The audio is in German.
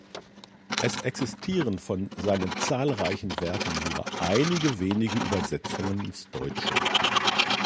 Es existieren von seinen zahlreichen Werken nur einige wenige Übersetzungen ins Deutsche.